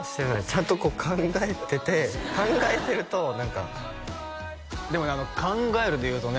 ちゃんと考えてて考えてると何かでもねあの考えるでいうとね